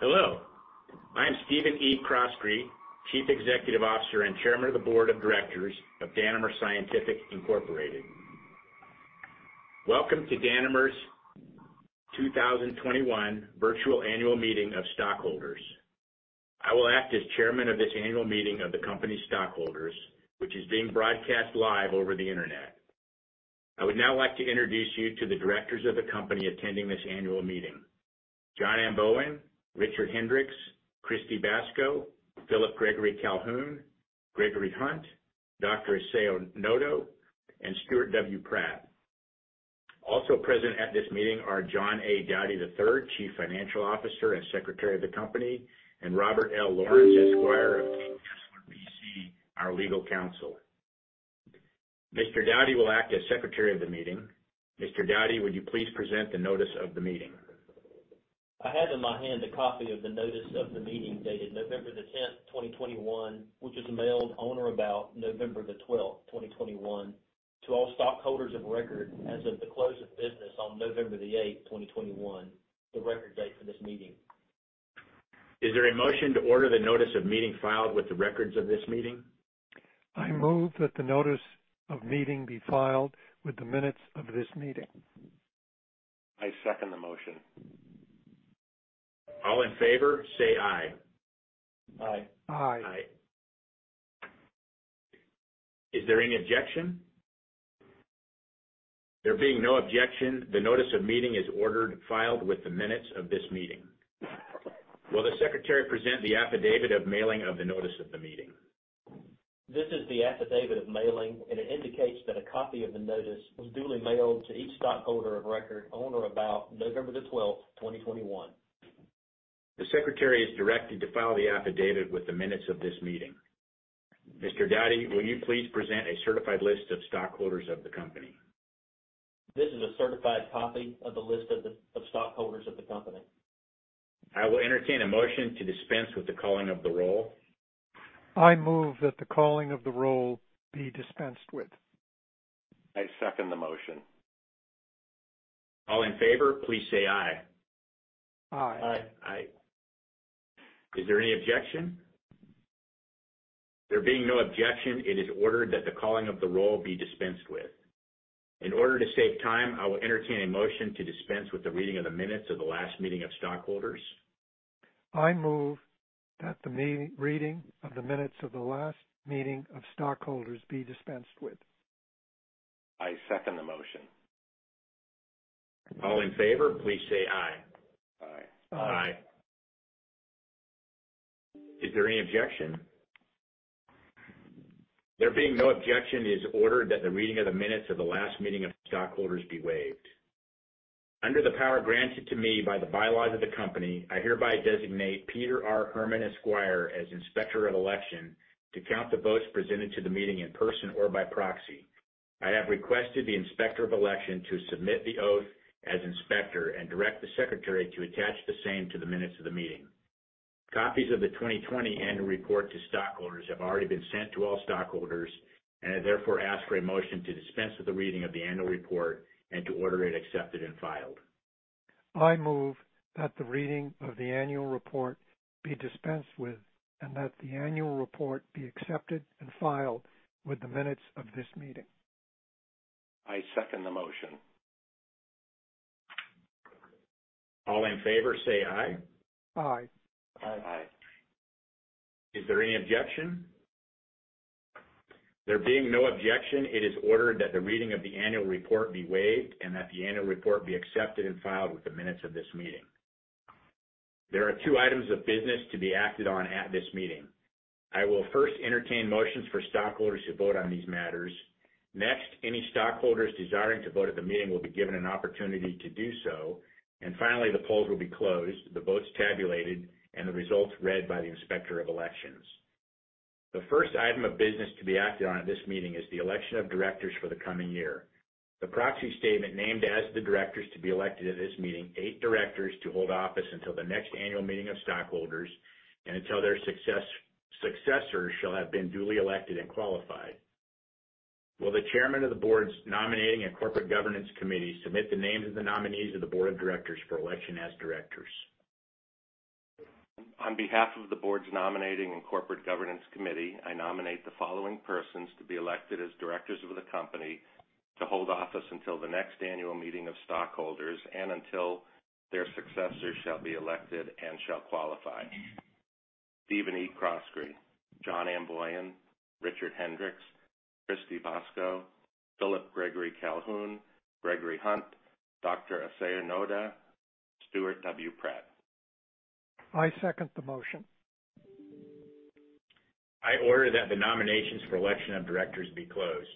Hello. I am Stephen E. Croskrey, Chief Executive Officer and Chairman of the Board of Directors of Danimer Scientific, Inc. Welcome to Danimer's 2021 virtual annual meeting of stockholders. I will act as Chairman of this annual meeting of the company stockholders, which is being broadcast live over the Internet. I would now like to introduce you to the directors of the company attending this annual meeting. John Amboian, Richard Hendrix, Christy Basco, Philip Gregory Calhoun, Gregory Hunt, Dr. Isao Noda, and Stuart W. Pratt. Also present at this meeting are John A. Dowdy III, Chief Financial Officer and Secretary of the company, and Robert L. Lawrence Esquire of Kane Kessler, P.C., our legal counsel. Mr. Dowdy will act as secretary of the meeting. Mr. Dowdy, would you please present the notice of the meeting? I have in my hand a copy of the notice of the meeting dated November the 10th, 2021, which was mailed on or about November the 12, 2021, to all stockholders of record as of the close of business on November the 8, 2021, the record date for this meeting. Is there a motion to order the notice of meeting filed with the records of this meeting? I move that the notice of meeting be filed with the minutes of this meeting. I second the motion. All in favor say aye. Aye. Aye. Aye. Is there any objection? There being no objection, the notice of meeting is ordered, filed with the minutes of this meeting. Will the secretary present the affidavit of mailing of the notice of the meeting? This is the affidavit of mailing, and it indicates that a copy of the notice was duly mailed to each stockholder of record on or about November the 12th, 2021. The secretary is directed to file the affidavit with the minutes of this meeting. Mr. Dowdy, will you please present a certified list of stockholders of the company? This is a certified copy of the list of stockholders of the company. I will entertain a motion to dispense with the calling of the roll. I move that the calling of the roll be dispensed with. I second the motion. All in favor, please say aye. Aye. Aye. Aye. Is there any objection? There being no objection, it is ordered that the calling of the roll be dispensed with. In order to save time, I will entertain a motion to dispense with the reading of the minutes of the last meeting of stockholders. I move that the reading of the minutes of the last meeting of stockholders be dispensed with. I second the motion. All in favor, please say aye. Aye. Aye. Aye. Is there any objection? There being no objection, it is ordered that the reading of the minutes of the last meeting of stockholders be waived. Under the power granted to me by the bylaws of the company, I hereby designate Peter R. Herman esquire as Inspector of Election to count the votes presented to the meeting in person or by proxy. I have requested the Inspector of Election to submit the oath as Inspector and direct the secretary to attach the same to the minutes of the meeting. Copies of the 2020 annual report to stockholders have already been sent to all stockholders and I therefore ask for a motion to dispense with the reading of the annual report and to order it accepted and filed. I move that the reading of the annual report be dispensed with and that the annual report be accepted and filed with the minutes of this meeting. I second the motion. All in favor, say aye. Aye. Aye. Aye. Is there any objection? There being no objection, it is ordered that the reading of the annual report be waived and that the annual report be accepted and filed with the minutes of this meeting. There are two items of business to be acted on at this meeting. I will first entertain motions for stockholders to vote on these matters. Next, any stockholders desiring to vote at the meeting will be given an opportunity to do so. Finally, the polls will be closed, the votes tabulated, and the results read by the Inspector of Election. The first item of business to be acted on at this meeting is the Election of Directors for the coming year. The proxy statement names the directors to be elected at this meeting, eight directors to hold office until the next annual meeting of stockholders and until their successors shall have been duly elected and qualified. Will the Chairman of the Board's Nominating and Corporate Governance Committee submit the names of the nominees of the Board of Directors for election as Directors? On behalf of the Board's Nominating and Corporate Governance Committee, I nominate the following persons to be elected as Directors of the company to hold office until the next annual meeting of stockholders and until their successors shall be elected and shall qualify. Stephen E. Croskrey, John Amboian, Richard Hendrix, Christy Basco, Philip Gregory Calhoun, Gregory Hunt, Dr. Isao Noda, Stuart W. Pratt. I second the motion. I order that the nominations for election of directors be closed.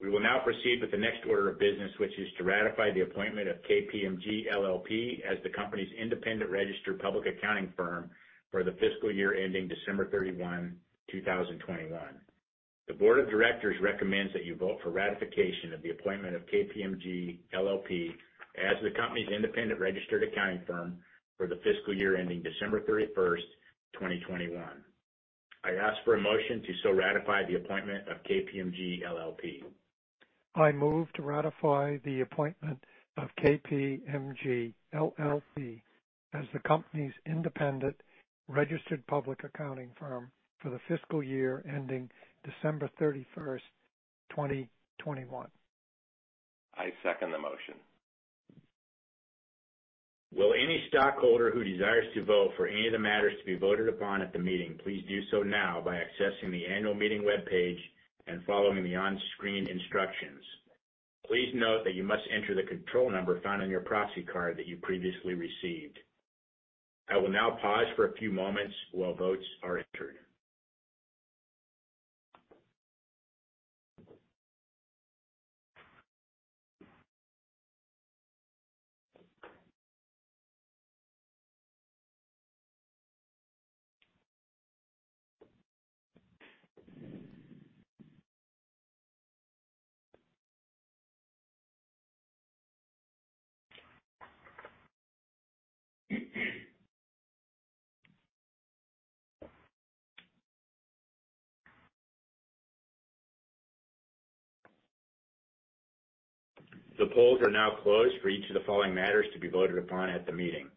We will now proceed with the next order of business, which is to ratify the appointment of KPMG LLP as the company's independent registered public accounting firm for the fiscal year ending December 31, 2021. The Board of Directors recommends that you vote for ratification of the appointment of KPMG LLP as the company's independent registered accounting firm for the fiscal year ending December 31st, 2021. I ask for a motion to so ratify the appointment of KPMG LLP. I move to ratify the appointment of KPMG LLP as the company's independent registered public accounting firm for the fiscal year ending December 31st, 2021. I second the motion. Will any stockholder who desires to vote for any of the matters to be voted upon at the meeting, please do so now by accessing the Annual Meeting webpage and following the on-screen instructions. Please note that you must enter the control number found on your proxy card that you previously received. I will now pause for a few moments while votes are entered. The polls are now closed for each of the following matters to be voted upon at the meeting.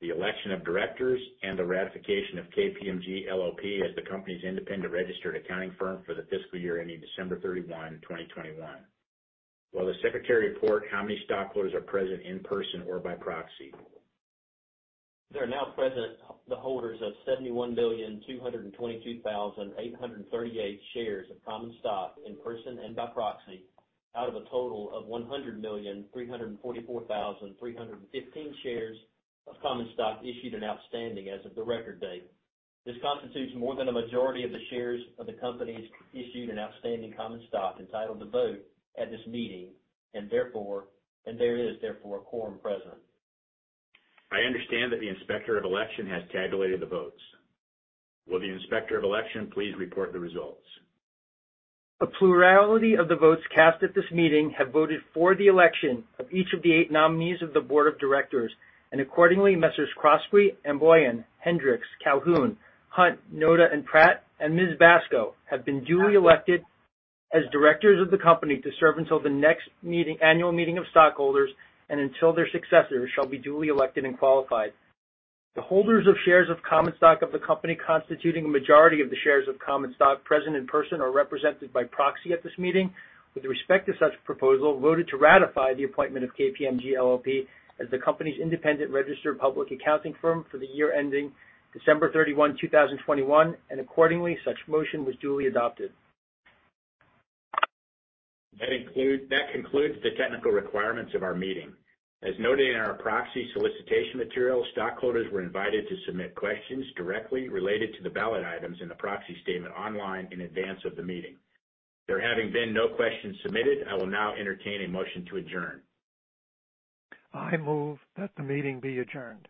The Election of Directors and the ratification of KPMG LLP as the company's independent registered accounting firm for the fiscal year ending December 31, 2021. Will the Secretary report how many stockholders are present in person or by proxy? There are now present the holders of 71,222,838 shares of common stock in person and by proxy out of a total of 100,344,315 shares of common stock issued and outstanding as of the record date. This constitutes more than a majority of the shares of the company's issued and outstanding common stock entitled to vote at this meeting, and therefore there is a quorum present. I understand that the Inspector of Election has tabulated the votes. Will the Inspector of Election please report the results? A plurality of the votes cast at this meeting have voted for the election of each of the eight nominees of the board of directors. Accordingly, Messrs. Croskrey, Amboian, Hendrix, Calhoun, Hunt, Noda, and Pratt, and Ms. Basco have been duly elected as Directors of the company to serve until the next annual meeting of stockholders and until their successors shall be duly elected and qualified. The holders of shares of common stock of the company, constituting a majority of the shares of common stock present in person or represented by proxy at this meeting, with respect to such proposal, voted to ratify the appointment of KPMG LLP as the company's independent registered public accounting firm for the year ending December 31, 2021, and accordingly, such motion was duly adopted. That concludes the technical requirements of our meeting. As noted in our proxy solicitation material, stockholders were invited to submit questions directly related to the ballot items in the proxy statement online in advance of the meeting. There having been no questions submitted, I will now entertain a motion to adjourn. I move that the meeting be adjourned.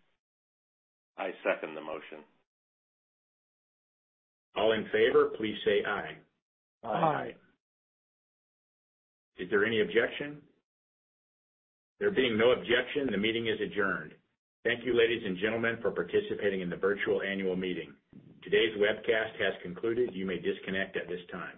I second the motion. All in favor, please say aye. Aye. Aye. Aye. Is there any objection? There being no objection, the meeting is adjourned. Thank you, ladies and gentlemen, for participating in the virtual annual meeting. Today's webcast has concluded. You may disconnect at this time.